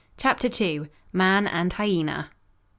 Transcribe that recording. CHAPTER II. MAN AND HYENA.